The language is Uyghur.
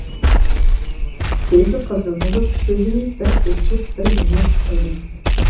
كۆزى قىزىل بولۇپ، كۆزىنى بىر ئېچىپ بىر يۇمۇپ تۇرىدۇ.